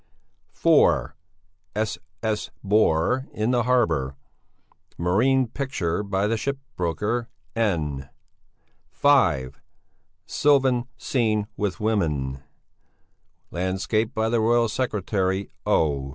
(4) 'S. S. Bore in the Harbour,' marine picture by the shipbroker N. (5) 'Sylvan Scene with Women,' landscape by the royal secretary O.